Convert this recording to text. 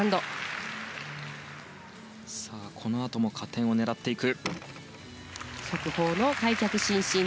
このあとも加点を狙っていく。